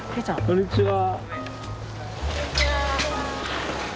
こんにちは。